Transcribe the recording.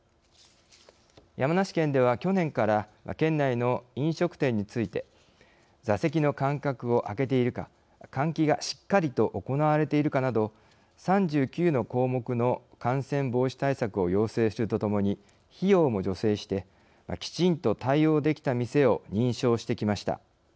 山梨県では去年から県内の飲食店について座席の間隔を空けているか換気がしっかりと行われているかなど３９の項目の感染防止対策を要請するとともに費用も助成してきちんと対応できた店を認証してきました。